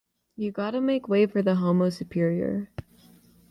You gotta make way for the Homo Superior.